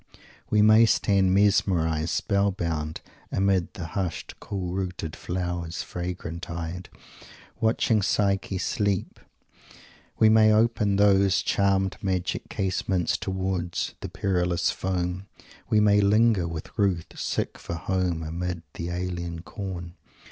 We may stand mesmerized, spell bound, amid "the hushed cool rooted flowers, fragrant eyed" watching Psyche sleep. We may open those "charmed magic casements" towards "the perilous foam." We may linger with Ruth "sick for home amid the alien corn."